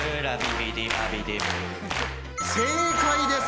正解です。